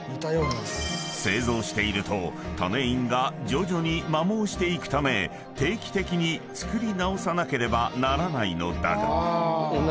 ［製造していると種印が徐々に摩耗していくため定期的につくり直さなければならないのだが］